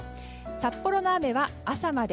札幌の雨は朝まで。